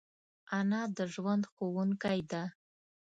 انا د ژوند ښوونکی ده